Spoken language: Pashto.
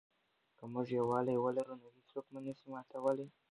که موږ یووالي ولرو نو هېڅوک مو نه سي ماتولای.